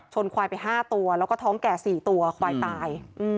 ควายไป๕ตัวแล้วก็ท้องแก่๔ตัวควายตาย